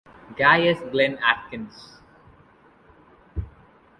Gaius Glenn Atkins.